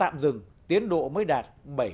và tạm dừng tiến độ mới đạt bảy mươi chín